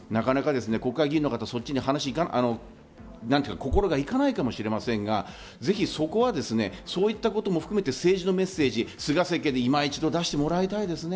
国会議員の方、なかなか心がそっちに行かないかもしれませんが、ぜひそこはそういったことも含めて政治のメッセージ、菅政権にいま一度出してもらいたいです。